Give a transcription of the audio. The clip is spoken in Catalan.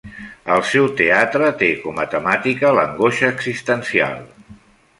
El seu teatre té com a temàtica l'angoixa existencial.